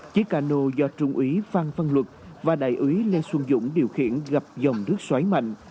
chiếc cano do trung úy phan văn luật và đại úy lê xuân dũng điều khiển gặp dòng nước xoáy mạnh